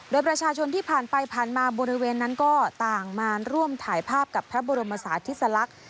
โดยประชาชนที่ผ่านไปผ่านมาบริเวณนั้นก็ต่างมาร่วมถ่ายภาพกับพระบรมศาสติสลักษณ์